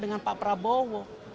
dengan pak prabowo